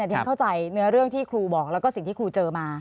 ฉันเข้าใจเนื้อเรื่องที่ครูบอกแล้วก็สิ่งที่ครูเจอมา